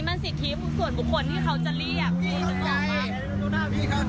ไม่ใช่พี่ภาพหน้าวินอยู่ตรงไหนตรงนู้นเลย